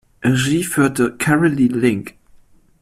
Regie führte Caroline Link.